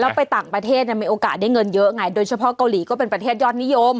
แล้วไปต่างประเทศมีโอกาสได้เงินเยอะไงโดยเฉพาะเกาหลีก็เป็นประเทศยอดนิยม